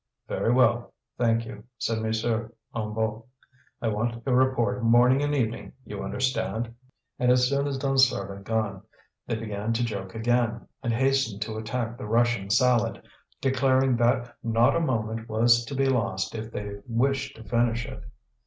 "Very well; thank you," said M. Hennebeau. "I want a report morning and evening, you understand." And as soon as Dansaert had gone, they began to joke again, and hastened to attack the Russian salad, declaring that not a moment was to be lost if they wished to finish it.